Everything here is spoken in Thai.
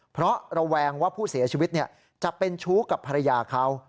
เพราะระแวงว่าผู้เสียชีวิตจะเป็นชู้กับภรรยาเขา